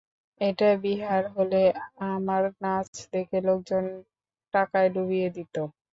এটা বিহার হলে, আমার নাচ দেখে লোকজন টাকায় ডুবিয়ে দিত।